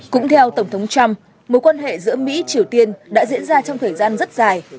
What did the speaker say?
cũng theo tổng thống trump mối quan hệ giữa mỹ triều tiên đã diễn ra trong thời gian rất dài